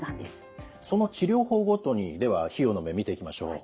その治療法ごとにでは費用の面見ていきましょう。